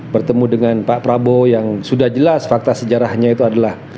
bertemu dengan pak prabowo yang sudah jelas fakta sejarahnya itu adalah